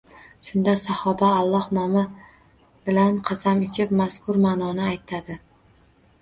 Shunda sahoba Alloh nomi bilan qasam ichib, mazkur ma’noni aytadi: